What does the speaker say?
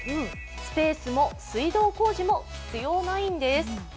スペースも水道工事も必要ないんです。